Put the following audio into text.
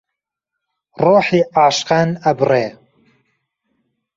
ڕۆحی عاشقان ئەبڕێ